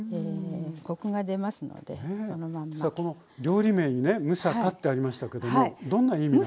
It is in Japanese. さあこの料理名にね「ムサカ」ってありましたけどもどんな意味が？